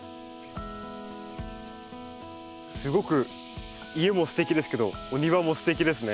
すごく家もステキですけどお庭もステキですね。